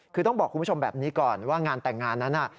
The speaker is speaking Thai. คือต้องบอกคุณผู้ชมแบบนี้ก่อนว่างานแต่งงานนั้นน่ะ